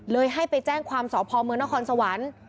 เลยให้ไปแจ้งความสอบพอบ์เมืองนครสวรรค์